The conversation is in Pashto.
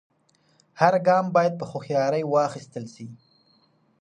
هر ګام باید په هوښیارۍ واخیستل سي.